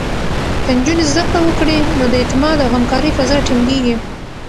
که نجونې زده کړه وکړي، نو د اعتماد او همکارۍ فضا ټینګېږي.